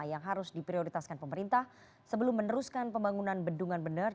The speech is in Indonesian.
yang harus diprioritaskan pemerintah sebelum meneruskan pembangunan bendungan bener